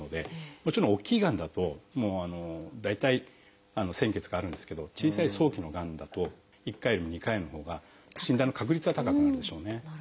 もちろん大きいがんだと大体潜血があるんですけど小さい早期のがんだと１回よりも２回のほうが診断の確率は高くなるでしょうね。